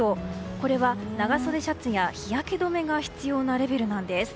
これは長袖シャツや日焼け止めが必要なレベルなんです。